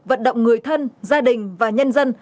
vận động người thân gia đình và nhân dân